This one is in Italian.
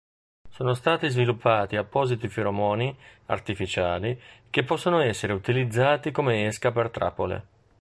Sono stati sviluppati appositi feromoni artificiali che possono essere utilizzati come esca per trappole.